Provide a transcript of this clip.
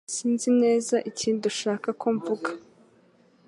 Sinzi neza ikindi ushaka ko mvuga